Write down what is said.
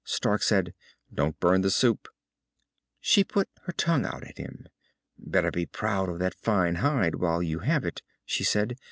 Stark said, "Don't burn the soup." She put her tongue out at him. "Better be proud of that fine hide while you have it," she said.